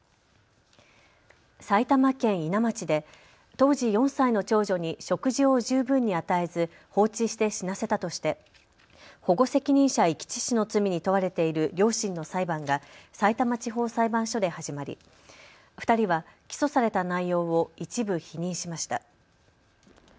埼玉県伊奈町で当時４歳の長女に食事を十分に与えず放置して死なせたとして保護責任者遺棄致死の罪に問われている両親の裁判がさいたま地方裁判所で始まり２人は起訴された内容を一部否認しました。